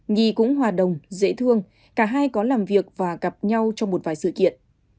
nhi cũng hòa đồng dễ thương cả hai có làm việc và gặp nhau trong một vài sự kiện